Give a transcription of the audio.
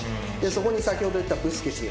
そこに先ほど言ったブスケツ。